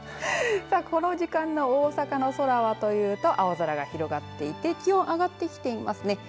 さあ、この時間大阪の空はというと青空が広がっていて気温上がってきていますね。